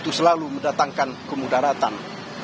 dan itu selalu mendatangkan kemudaratan